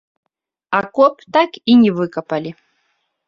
Акоп так і не выкапалі.